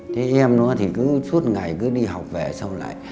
thế em nó thì cứ suốt ngày cứ đi học về sau lại